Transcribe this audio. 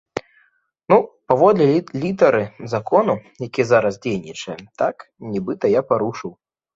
Ну, паводле літары закону, які зараз дзейнічае, так, нібыта я парушыў.